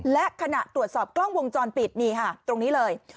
และขณะตรวจสอบกล้องวงจรปิดนี่ค่ะตรงนี้เลย